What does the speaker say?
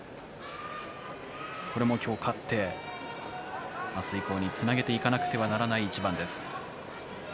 今日、勝って明日以降につなげていかなくてはならない一番です。